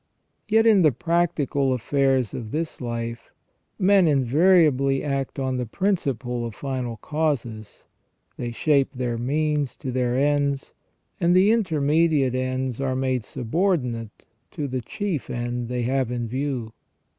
Yet, in 262 IVBY MAN WAS NOT CREATED PERFECT. the practical afifairs of this life, men invariably act on the principle of final causes ; they shape their means to their ends, and the intermediate ends are made subordinate to the chief end they have in view.